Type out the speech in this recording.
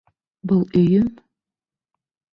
Был өйөм?